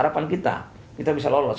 kalau tidak kita bisa lolos